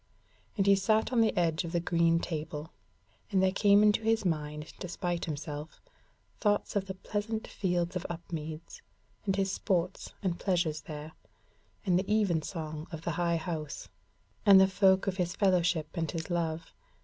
And he sat on the edge of the green table, and there came into his mind despite himself thoughts of the pleasant fields of Upmeads, and his sports and pleasures there, and the even song of the High House, and the folk of his fellowship and his love.